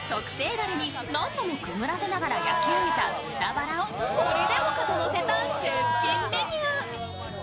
だれに何度もくぐらせながら焼き上げた豚バラをこれでもかとのせた絶品メニュー。